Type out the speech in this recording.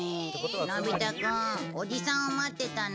のび太君おじさんを待ってたの？